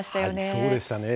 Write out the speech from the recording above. そうでしたね。